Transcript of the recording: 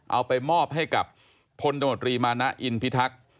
เอาไปมอบให้กับพลตมตรีมานะอินพิทักษ์